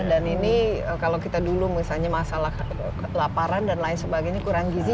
dan ini kalau kita dulu misalnya masalah laparan dan lain sebagainya kurang gizi